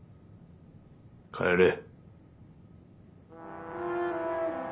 帰れ。